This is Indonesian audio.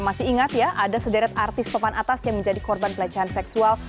ada sejarah artis papan atas yang menjadi korban pelecehan seksual